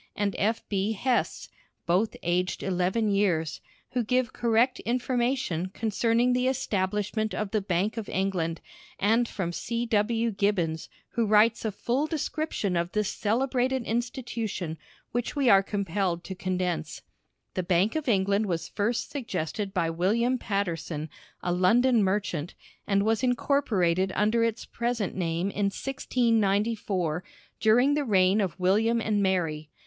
and F. B. Hesse (both aged eleven years), who give correct information concerning the establishment of the Bank of England, and from C. W. Gibbons, who writes a full description of this celebrated institution, which we are compelled to condense: The Bank of England was first suggested by William Paterson, a London merchant, and was incorporated under its present name in 1694, during the reign of William and Mary.